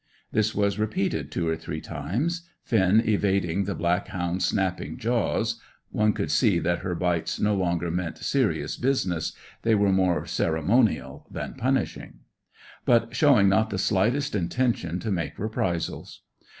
This was repeated two or three times, Finn evading the black hound's snapping jaws (one could see that her bites no longer meant serious business; they were more ceremonial than punishing), but showing not the slightest intention to make reprisals.